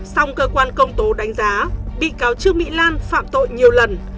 song cơ quan công tố đánh giá bị cáo trương mỹ lan phạm tội nhiều lần